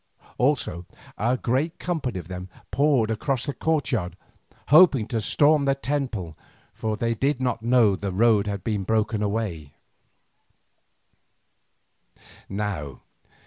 Also a great company of them poured across the courtyard, hoping to storm the temple, for they did not know that the road had been broken away.